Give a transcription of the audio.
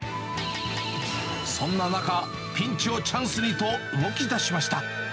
そんな中、ピンチをチャンスにと動きだしました。